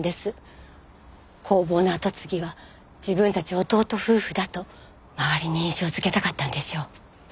工房の跡継ぎは自分たち弟夫婦だと周りに印象づけたかったんでしょう。